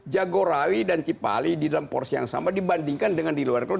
jagorawi dan cipali di dalam porsi yang sama dibandingkan dengan di luar kota